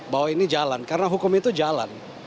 bahwa ini jalan karena hukum itu jalan